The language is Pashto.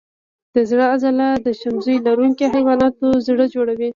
د زړه عضله د شمزۍ لرونکو حیواناتو زړه جوړوي.